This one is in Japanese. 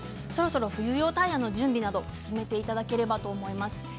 冬用タイヤの準備をしていただければと思います。